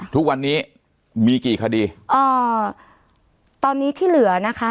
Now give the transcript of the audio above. ทุกวันนี้มีกี่คดีอ่าตอนนี้ที่เหลือนะคะ